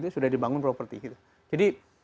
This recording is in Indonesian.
sudah dibangun properti jadi